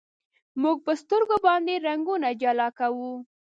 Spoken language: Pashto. موږ په سترګو باندې رنګونه جلا کوو.